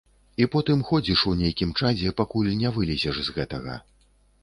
І потым ходзіш у нейкім чадзе, пакуль не вылезеш з гэтага.